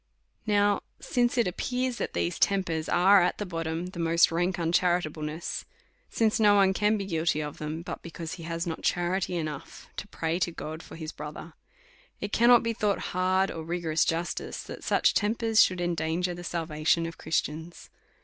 Now since it appears that these tempers are at the bottom the most rank uncharitableness, since no one can be guilty of them, but because he has not charity enough to pray to God for his brother ; it cannot be thought hard or rigorous justice, that such tempers should endanger the salvation of Christians.